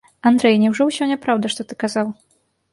Андрэй, няўжо ўсё няпраўда, што ты казаў?